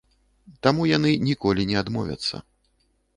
Таму яны ніколі не адмовяцца.